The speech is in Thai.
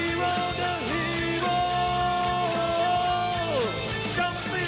สวัสดีครับ